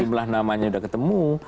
jumlah namanya sudah ketemu